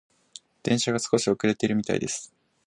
電車が少し遅れているみたいです。